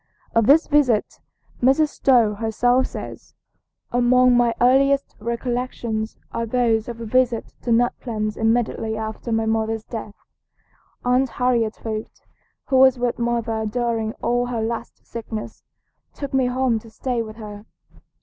Of this visit Mrs. Stowe herself says: "Among my earliest recollections are those of a visit to Nut Plains immediately after my mother's death. Aunt Harriet Foote, who was with mother during all her last sickness, took me home to stay with her.